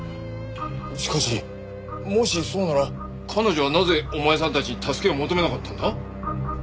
しかしもしそうなら彼女はなぜお前さんたちに助けを求めなかったんだ？